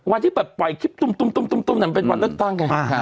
วันที่ปล่อยคลิปเป็นวันเลิกตั้ง